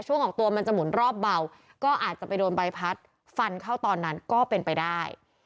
ออกตัวมันจะหมุนรอบเบาก็อาจจะไปโดนใบพัดฟันเข้าตอนนั้นก็เป็นไปได้